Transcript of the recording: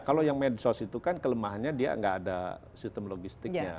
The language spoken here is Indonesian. kalau yang medsos itu kan kelemahannya dia nggak ada sistem logistiknya